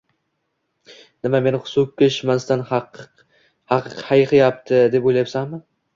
– Nima, meni so‘qishmadan hayiqyapti deb o‘ylayapsanmi? Irrrr!